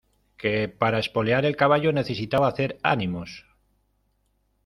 que para espolear el caballo necesitaba hacer ánimos.